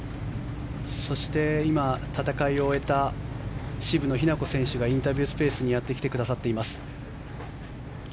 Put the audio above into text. そして今、戦いを終えた渋野日向子選手がインタビュースペースにやってきてくださっています。